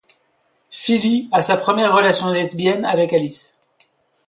Phyllis a sa première relation lesbienne avec Alice.